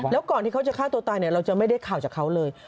แล้วก่อนที่เขาจะฆ่าตัวตายเราจะไม่ได้ข่าวจากเขาเลย